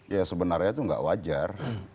ya sebenarnya itu nggak wajar